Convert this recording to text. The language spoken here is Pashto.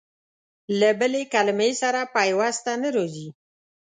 له بلې کلمې سره پيوسته نه راځي.